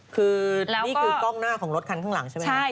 คือนี่คือกล้องหน้าของรถคันข้างหลังใช่ไหมครับ